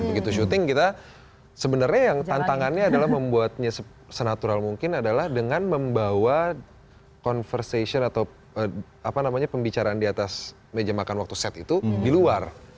begitu syuting kita sebenarnya yang tantangannya adalah membuatnya senatural mungkin adalah dengan membawa conversation atau pembicaraan di atas meja makan waktu set itu di luar